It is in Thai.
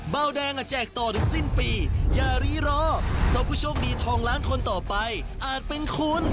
เบาแดงอ่ะแจกต่อถึงสิ้นปีอย่ารีรอเพราะผู้โชคดีทองล้านคนต่อไปอาจเป็นคุณ